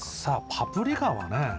パプリカはね